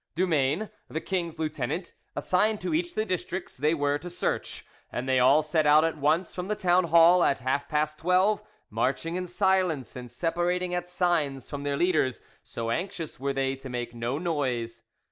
Dumayne, the king's lieutenant, assigned to each the districts they were to search, and they all set out at once from the town hall, at half past twelve, marching in silence, and separating at signs from their leaders, so anxious were they to make no noise.